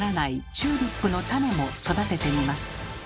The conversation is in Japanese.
チューリップの種も育ててみます。